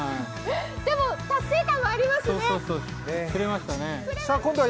でも、達成感はありますね。